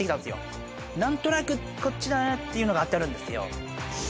何となくこっちだなっていうのが当たるんですよ。